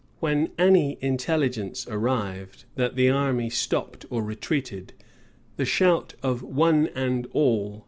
[] When any intelligence arrived, that the army stopped or retreated, the shout of "One and all."